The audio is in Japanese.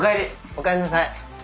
おかえりなさい。